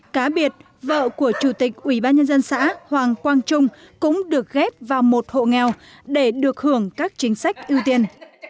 cá biệt vợ của chủ tịch ủy ban nhân dân xã hoàng quang trung cũng được ghép vào một hộ nghèo để được hưởng các chính sách ưu tiên